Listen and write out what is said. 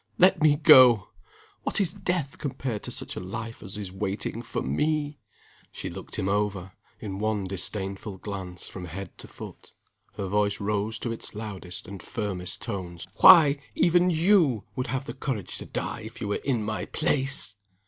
"Let me go! What is death, compared to such a life as is waiting for me?" She looked him over, in one disdainful glance from head to foot; her voice rose to its loudest and firmest tones. "Why, even you; would have the courage to die if you were in my place!"